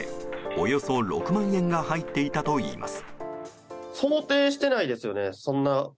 およそ６万円が入っていたといいます。